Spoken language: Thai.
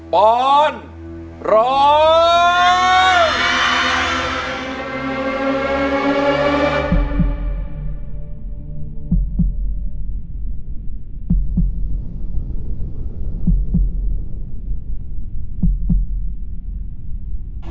บอลร้อง